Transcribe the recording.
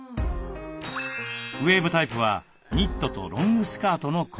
ウエーブタイプはニットとロングスカートのコーデ。